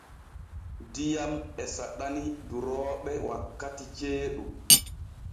Diyam e saɗani durooɓe wakkati ceeɗu.